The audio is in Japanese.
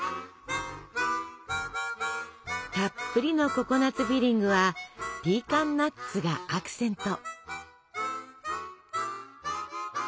たっぷりのココナツフィリングはピーカンナッツがアクセント。